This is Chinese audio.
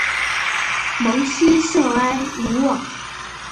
蒙希圣埃卢瓦。